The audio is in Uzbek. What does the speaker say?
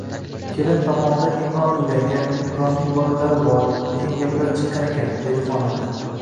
“Kelin tomonda Imron uylangan, Imronning bolalari bor, degan gaplar chiqqan ekan”, — deydi xonanda